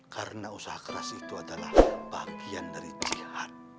karena usaha keras itu adalah bagian dari jihad